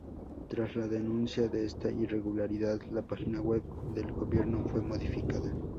Tras la denuncia de esta irregularidad, la página web del gobierno fue modificada.